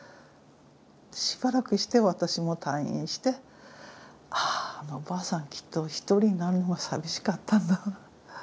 しばらくして私も退院してあああのおばあさんきっと一人になるのが寂しかったんだ。